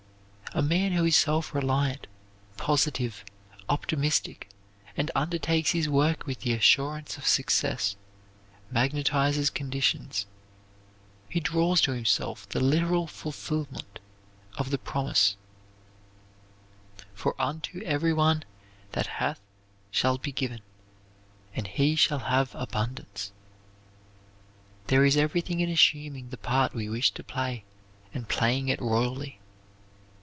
A man who is self reliant, positive, optimistic, and undertakes his work with the assurance of success, magnetizes conditions. He draws to himself the literal fulfilment of the promise, "For unto every one that hath shall be given, and he shall have abundance." There is everything in assuming the part we wish to play, and playing it royally.